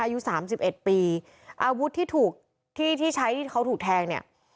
อายุสามสิบเอ็ดปีอาวุธที่ถูกที่ที่ใช้ที่เขาถูกแทงเนี่ย